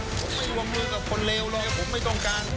ผมไม่วงมือกับคนเลวเลยผมไม่ต้องการ